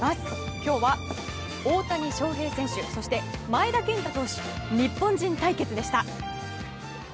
今日は大谷翔平選手そして前田健太投手日本人対決でした。